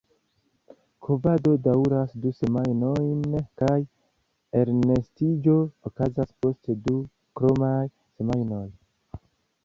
Kovado daŭras du semajnojn kaj elnestiĝo okazas post du kromaj semajnoj.